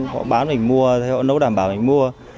họ bán mình mua họ nấu đảm bảo mình mua